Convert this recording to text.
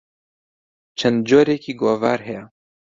چەند جۆرێک گۆڤار هەیە.